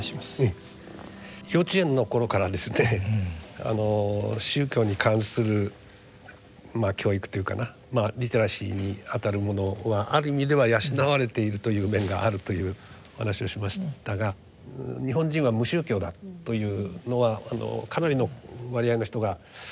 幼稚園の頃から宗教に関する教育というかなリテラシーにあたるものはある意味では養われているという面があるというお話をしましたが日本人は無宗教だというのはかなりの割合の人が同意する。